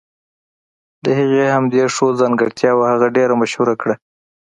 د هغې همدې ښو ځانګرتياوو هغه ډېره مشهوره کړه.